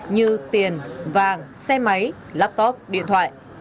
như tiền vàng xe máy laptop điện thoại